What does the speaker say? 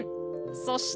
そして。